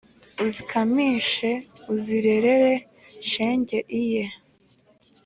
Uzikamishe uzirerere shenge iyeee